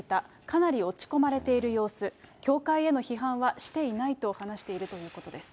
かなり落ち込まれている様子、教会への批判はしていないと話しているということです。